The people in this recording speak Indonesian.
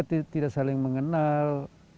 mereka tidak saling mengenal